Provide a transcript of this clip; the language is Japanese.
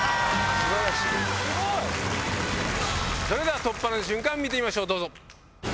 それでは突破の瞬間見てみましょうどうぞ。